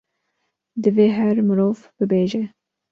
divê her mirov bibêje